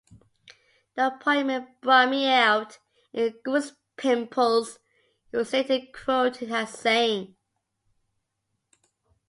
The appointment "brought me out in goose pimples", he was later quoted as saying.